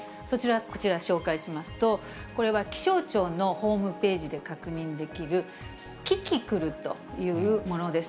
こちら、紹介しますと、これは気象庁のホームページで確認できる、キキクルというものです。